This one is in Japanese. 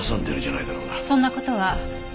そんな事は。